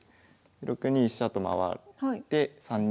６二飛車と回って３二と金。